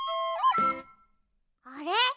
あれ？